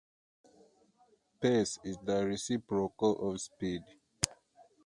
Pace is the reciprocal of speed.